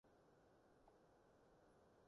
你有冇睇過中醫呀